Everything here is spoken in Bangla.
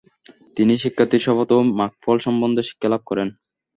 তিনি শিক্ষার্থীর শপথ ও মার্গফল সম্বন্ধে শিক্ষালাভ করেন।